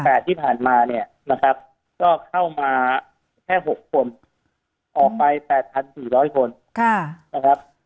ที่ผ่านมาเนี่ยนะครับก็เข้ามาแค่หกคนออกไปแปดพันสี่ร้อยคนค่ะนะครับ